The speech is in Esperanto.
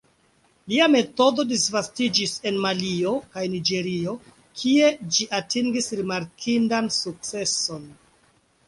Lia metodo disvastiĝis en Malio kaj Niĝero, kie ĝi atingis rimarkindan sukceson.